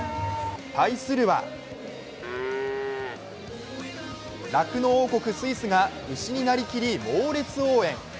対するは、酪農王国スイスが牛になりきり猛烈応援。